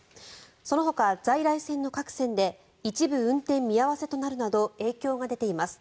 そのほか、在来線の各線で一部運転見合わせとなるなど影響が出ています。